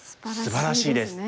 すばらしいです。